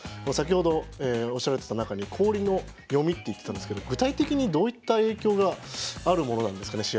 先ほどおっしゃられていた中に氷の読みと言っていましたが具体的にどういった影響があるものなんですか？